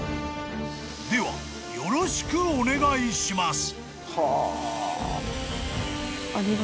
［ではよろしくお願いします］